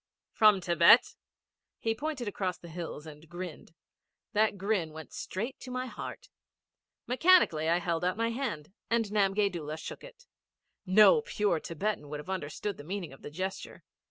'From Thibet.' He pointed across the hills and grinned. That grin went straight to my heart. Mechanically I held out my hand and Namgay Doola shook it. No pure Thibetan would have understood the meaning of the gesture.